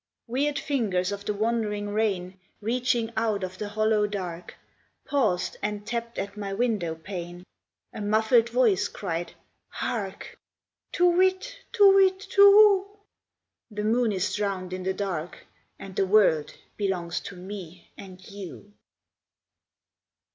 Weird fingers of the wandering rain, Reaching out of the hollow dark, Paused and tapped at my window pane, A muffled voice cried, Hark! Tu whit, tu whit, tu whoo! The moon is drowned in the dark, And the world belongs to me and you!